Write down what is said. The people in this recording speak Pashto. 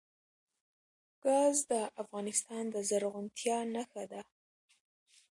ګاز د افغانستان د زرغونتیا نښه ده.